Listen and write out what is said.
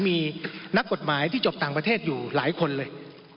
มีนักกฎหมายที่จบต่างประเทศอยู่หลายคนเลย